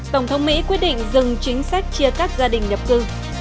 tổng thống mỹ quyết định dừng chính sách chia cắt gia đình nhập cư